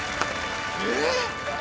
えっ⁉